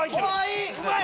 いい！